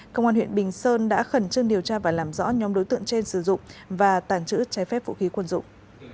công an huyện bình sơn đã khẩn trương điều tra và làm rõ nhóm đối tượng trên sử dụng và tàn trữ trái phép vũ khí quân dụng